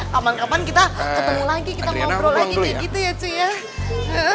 kapan kapan kita ketemu lagi kita ngobrol lagi kayak gitu ya sih ya